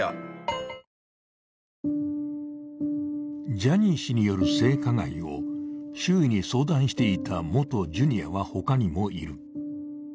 ジャニー氏による性加害を周囲に相談していた元Ｊｒ．は、ほかにもいる。